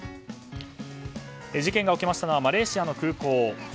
事件が起きたのはマレーシアの空港。